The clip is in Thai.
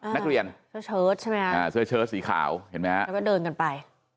นักเรียนเชิ้ตใช่ไหมอ่าเชิ้ตสีขาวเห็นไหมแล้วก็เดินกันไป